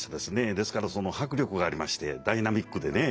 ですからその迫力がありましてダイナミックでね。